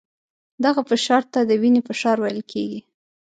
دغه فشار ته د وینې فشار ویل کېږي.